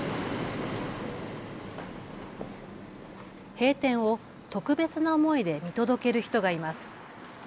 閉店を特別な思いで見届ける人がいます。